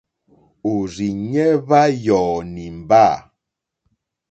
Òrzìɲɛ́ hwá yɔ̀ɔ̀ nìmbâ.